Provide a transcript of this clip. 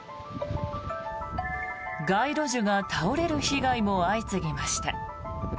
街路樹が倒れる被害も相次ぎました。